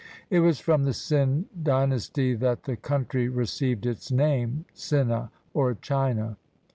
It was from the Tsin Dynasty that the country received its name, Tsina, or China.